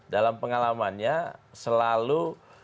dalam pengalamannya selalu